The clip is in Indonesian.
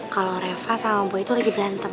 kalau reva sama bu itu lagi berantem